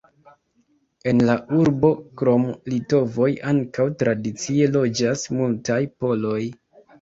En la urbo krom litovoj ankaŭ tradicie loĝas multaj poloj.